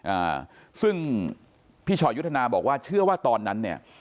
อ่าซึ่งพี่ชอยยุทธนาบอกว่าเชื่อว่าตอนนั้นเนี่ย